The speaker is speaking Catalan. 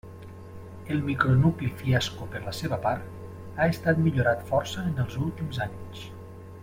El micronucli Fiasco per la seva part, ha estat millorat força en els últims anys.